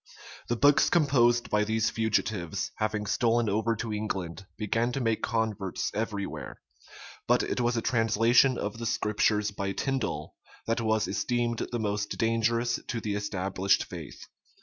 The books composed by these fugitives, having stolen over to England, began to make converts every where; but it was a translation of the Scriptures by Tindal that was esteemed the most dangerous to the established faith.